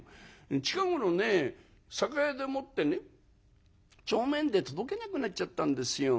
近頃ね酒屋でもってね帳面で届けなくなっちゃったんですよ。